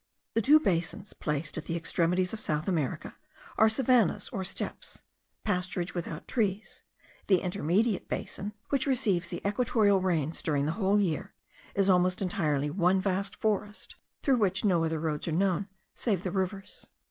The two basins, placed at the extremities of South America, are savannahs or steppes, pasturage without trees; the intermediate basin, which receives the equatorial rains during the whole year, is almost entirely one vast forest, through which no other roads are known save the rivers.